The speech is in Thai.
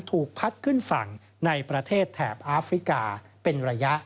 ถูกพัดขึ้นฝั่งในประเทศแถบอาฟริกาเป็นระยะ